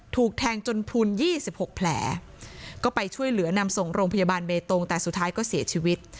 ถูกแทงจนพลุนยี่สิบหกแผลก็ไปช่วยเหลือนำส่งโรงพยาบาลเบตงแต่สุดท้ายก็เสียชีวิต